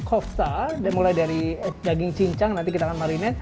kita akan bikin kofta mulai dari daging cincang nanti kita akan marinade